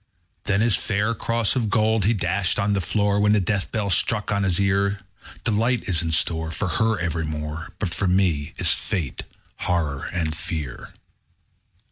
_20 4. Then his fair cross of gold he dashed on the floor, When the death knell struck on his ear. 'Delight is in store For her evermore; But for me is fate, horror, and fear.'